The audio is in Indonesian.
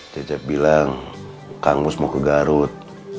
cecep bilang kang mus mau ke garut